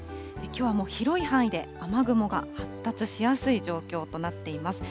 きょうも広い範囲で、雨雲が発達しやすい状況となっています。